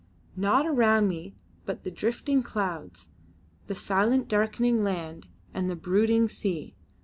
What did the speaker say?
Naught around me but the drifting clouds, the silent darkening land and the brooding sea.